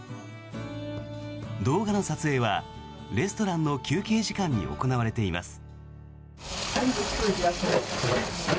動画の撮影は、レストランの休憩時間に行われています。